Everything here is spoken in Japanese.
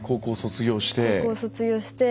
高校卒業して。